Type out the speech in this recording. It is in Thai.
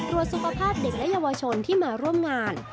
สุขภาพเด็กและเยาวชนที่มาร่วมงาน